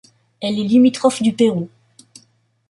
Elle est limitrophe du Pérou.